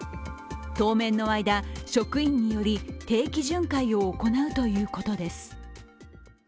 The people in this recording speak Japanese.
当面の間、職員により定期巡回を行うということです。